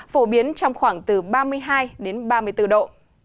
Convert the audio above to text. phổ biến trong khoảng từ ba mươi hai đến ba mươi bốn độ